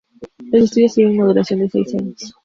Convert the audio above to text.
Los estudios tienen una duración de seis años.